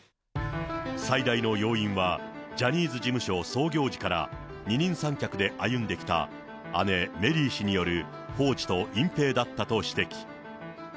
最大の要因は、ジャニーズ事務所創業時から、二人三脚で歩んできた姉、メリー氏による放置と隠蔽だったと指摘。